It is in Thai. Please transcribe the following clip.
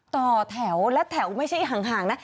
ต่อแถวและแถวไม่ใช่ห่างนะ